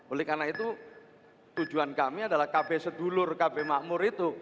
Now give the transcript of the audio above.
oleh karena itu tujuan kami adalah kb sedulur kb makmur itu